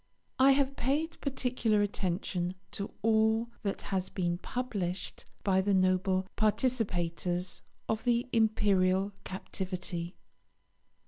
I have paid particular attention to all that has been published by the noble participators of the imperial captivity.